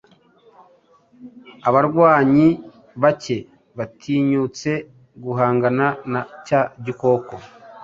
Abarwanyi bake batinyutse guhangana na cya gikoko